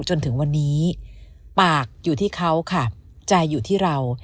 จนถึงวันนี้ปากอยู่ที่เขาค่ะใจอยู่ที่เรา